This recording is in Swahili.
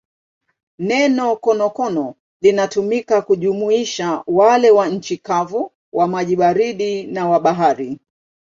Neno konokono linatumika kujumuisha wale wa nchi kavu, wa maji baridi na wa bahari.